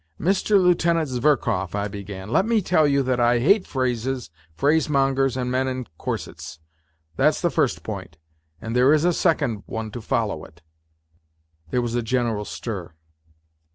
" Mr. Lieutenant Zverkov," I began, " let me tell you that I hate phrases, phrasemongers and men in corsets ... t: the first point, and there is a second one to follow it." There was a general stir.